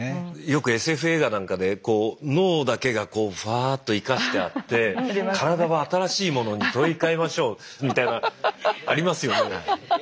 よくＳＦ映画なんかでこう脳だけがこうふわっと生かしてあって体は新しいものに取り替えましょうみたいなありますよね。